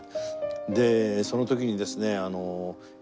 でその時にですね。